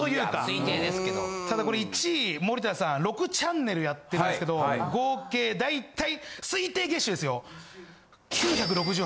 推定ですけどただこれ１位森田さん６チャンネルやってますけど合計大体推定月収ですよ。